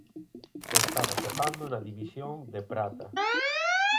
Estaba xogando na División de Prata.